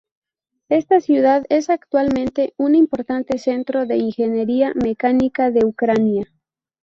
Esta ciudad es actualmente un importante centro de ingeniería mecánica de Ucrania.